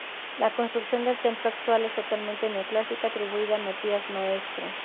La construcción del templo actual es totalmente neoclásica atribuida a Matías Maestro.